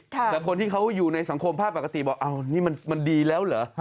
แต่คนที่เขาอยู่ในสังคมภาพปกติบอกอ้าวนี่มันดีแล้วเหรอ